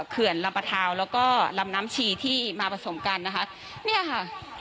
เขื่อนลำปะทาวแล้วก็ลำน้ำชีที่มาผสมกันนะคะเนี่ยค่ะ